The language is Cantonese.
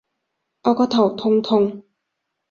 我個頭痛痛